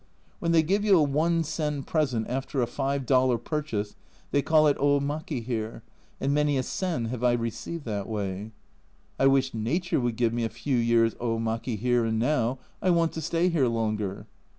When they give you a one sen present after a five dollar purchase, they call it omaki here, and many a sen have I received that way. I wish Nature would give me a few years omaki here and now, I want to stay here longer.